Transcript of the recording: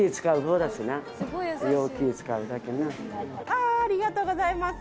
ありがとうございます。